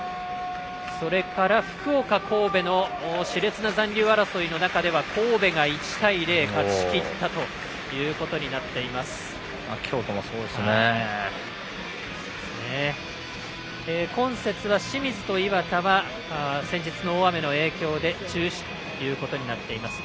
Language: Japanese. それから福岡、神戸の熾烈な残留争いの中で神戸が１対０、勝ちきったということになっています。